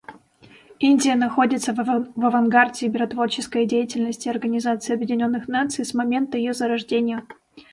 Индия находится в авангарде миротворческой деятельности Организации Объединенных Наций с момента ее зарождения.